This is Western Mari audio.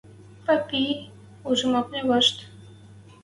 Папи!.. Ужам окня вашт.